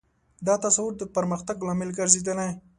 دا تصور د پرمختګ لامل ګرځېدلی.